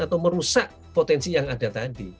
atau merusak potensi yang ada tadi